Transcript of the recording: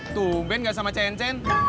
tungguin nggak sama cien cien